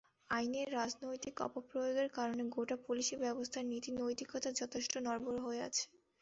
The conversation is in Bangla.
আইনের রাজনৈতিক অপপ্রয়োগের কারণে গোটা পুলিশি ব্যবস্থার নীতি-নৈতিকতা যথেষ্ট নড়বড়ে হয়ে আছে।